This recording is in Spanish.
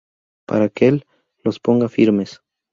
para que él los ponga firmes